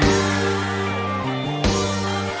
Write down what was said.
กลับไปก่อนที่สุดท้าย